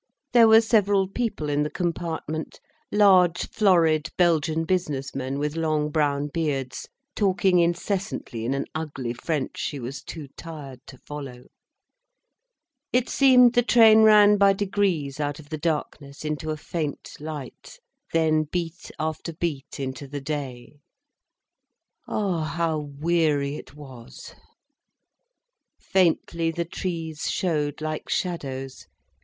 There were several people in the compartment, large florid Belgian business men with long brown beards, talking incessantly in an ugly French she was too tired to follow. It seemed the train ran by degrees out of the darkness into a faint light, then beat after beat into the day. Ah, how weary it was! Faintly, the trees showed, like shadows.